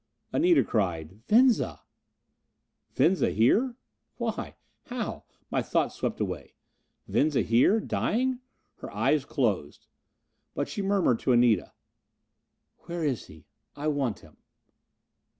Anita cried, "Venza!" Venza here? Why how my thoughts swept away. Venza here, dying? Her eyes closed. But she murmured to Anita. "Where is he? I want him."